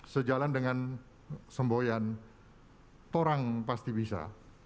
sejalan dengan semboyan torang pasti bisa